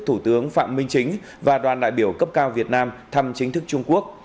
thủ tướng phạm minh chính và đoàn đại biểu cấp cao việt nam thăm chính thức trung quốc